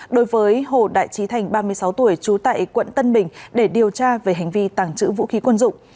đối với hồ đại trí thành ba mươi sáu tuổi trú tại quận tân bình để điều tra về hành vi tàng trữ vũ khí quân dụng